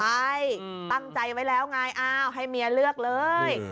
ใช่ตั้งใจไว้แล้วไงอ้าวให้เมียเลือกเลย